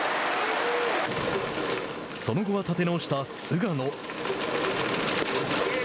その後は立て直した菅野。